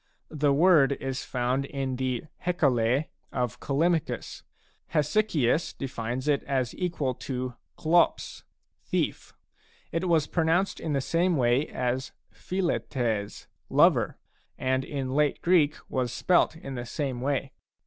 The word is found in the Hecale of Callimachus. Hesychius defines it as equal to «Atty "thief." It was pronounced in the same way as <pi\ qrtis " iover," and in late Greek was spelt in the same way.